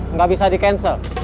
nggak bisa di cancel